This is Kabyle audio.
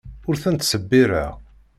Ur tent-ttṣebbireɣ.